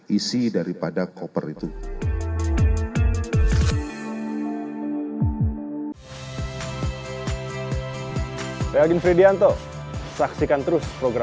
isi daripada koper itu